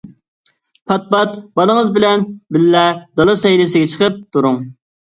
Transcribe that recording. پات-پات بالىڭىز بىلەن بىللە دالا سەيلىسىگە چىقىپ تۇرۇڭ.